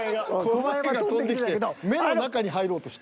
コバエが飛んできて目の中に入ろうとした。